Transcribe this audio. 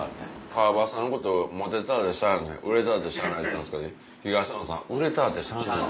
川畑さんのこと「モテたぁてしゃあない売れたぁてしゃあない」言ったんですけど東野さん「売れたぁてしゃあない」。